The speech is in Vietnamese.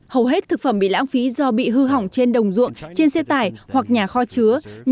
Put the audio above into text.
hầu hết thực phẩm bị lãng phí do bị hư hỏng trên đồng ruộng trên xe tải hoặc nhà kho chứa